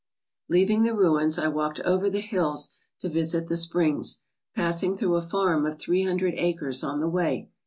Leaving the ruins, I walked over the hills to visit the springs, passing through a farm of three hundred acres on the way.